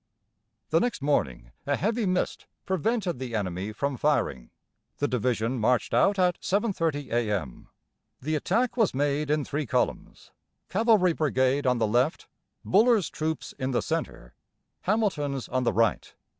The next morning a heavy mist prevented the enemy from firing. The division marched out at 7.30 A.M. The attack was made in three columns: cavalry brigade on the left; Buller's troops in the centre, Hamilton's on the right.